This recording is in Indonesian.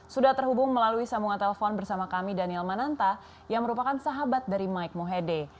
sudah terhubung melalui sambungan telepon bersama kami daniel mananta yang merupakan sahabat dari mike mohede